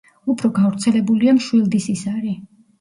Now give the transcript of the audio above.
უფრო გავრცელებულია მშვილდის ისარი.